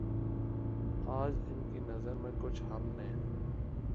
آج ان کی نظر میں کچھ ہم نے